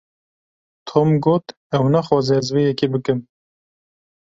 Tom got ew naxwaze ez vê yekê bikim.